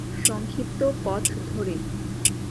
সংক্ষিপ্ত পথ ধরে।